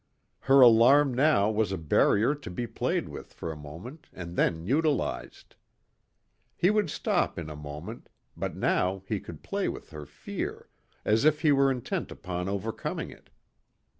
Her alarm now was a barrier to be played with for a moment and then utilized. He would stop in a moment but now he could play with her fear, as if he were intent upon overcoming it.